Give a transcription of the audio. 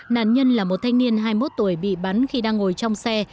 nạn nhân là một thanh niên hai mươi một tuổi bị bắn khi đang ngồi trong xe